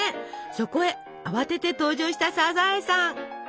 そこへ慌てて登場したサザエさん。